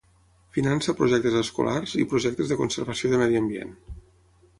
Finança projectes escolars i projectes de conservació de medi ambient.